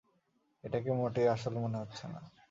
এটাকে মোটেই আসল মনে হচ্ছে না।